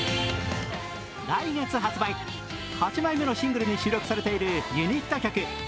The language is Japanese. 来月発売、８枚目のシングルに収録されているユニット曲。